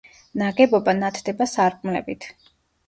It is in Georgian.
ნაგებობა ნათდება სარკმლებით.